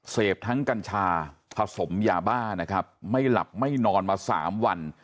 เสพทั้งกัญชาผสมยาบ้านะครับไม่หลับไม่นอนมา๓วัน